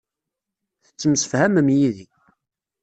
Tettemsefhamem yid-i.